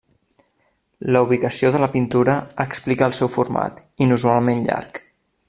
La ubicació de la pintura explica el seu format, inusualment llarg.